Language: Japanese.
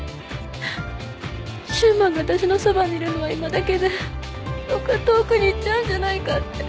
柊磨が私のそばにいるのは今だけでどっか遠くに行っちゃうんじゃないかって。